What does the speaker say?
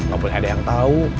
gak boleh ada yang tahu